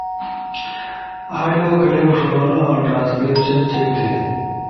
آدیو کلپ ݜُونو اؤ ٹرانسکریپشن چیک تھے۔